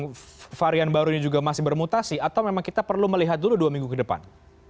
apakah varian baru ini juga masih bermutasi atau memang kita perlu melihat dulu dua minggu ke depan